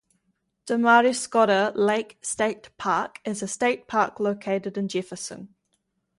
Damariscotta Lake State Park is a State Park located in Jefferson.